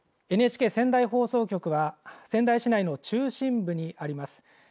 ＮＨＫ仙台放送局は仙台市内の中心部にあります。